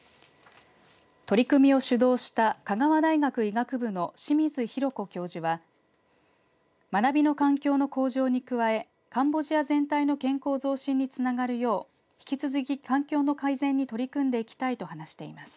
取り組みを主導した香川大学医学部の清水裕子教授は学びの環境の向上に加えカンボジア全体の健康増進につながるよう引き続き環境の改善に取り組んでいきたいと話しています。